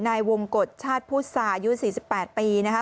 นายวงกฎชาติพุษาอายุ๔๘ปีนะคะ